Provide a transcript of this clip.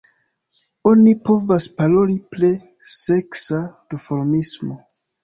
Oni povas paroli pri seksa duformismo.